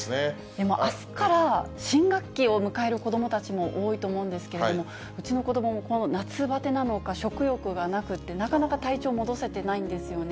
でも、あすから新学期を迎える子どもたちも多いと思うんですけれども、うちの子どもも夏バテなのか、食欲がなくって、なかなか体調戻せてないんですよね。